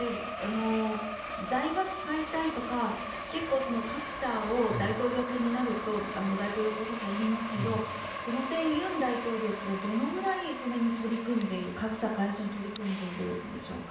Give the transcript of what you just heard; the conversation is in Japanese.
財閥解体とか結構、格差を大統領選になると大統領候補者は言いますけどこの点、尹大統領というのはどのぐらいその辺に取り組んでいる格差解消に取り組んでいるんでしょうか？